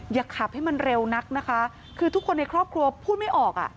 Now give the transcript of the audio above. อย่าขับให้มันเร็วนักนะคะคือทุกคนในครอบครัวพูดไม่ออกอ่ะ